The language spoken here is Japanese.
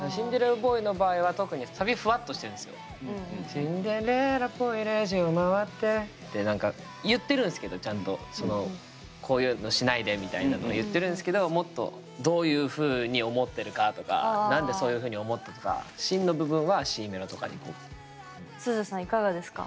「シンデレラボーイ０時を回って」って何か言ってるんですけどちゃんとこういうのしないでみたいなのは言ってるんですけどもっとどういうふうに思ってるかとか何でそういうふうに思ったとかすずさんいかがですか？